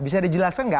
bisa dijelaskan nggak